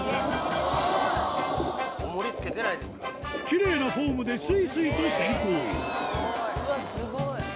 きれいなフォームですいすいと潜行うわっスゴい！